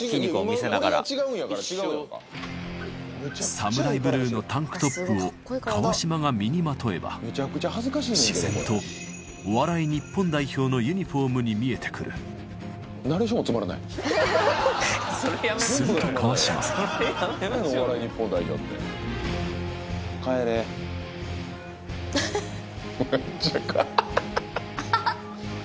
ＳＡＭＵＲＡＩＢＬＵＥのタンクトップを川島が身にまとえば自然とお笑い日本代表のユニホームに見えて来るすると川島ハハハ！